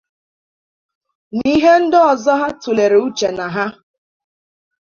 na ihe ndị ọzọ ha tụlere uche na ha